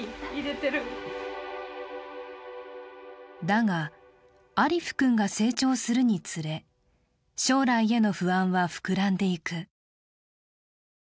だが、アリフ君が成長するにつれ将来への不安は膨らんでいく。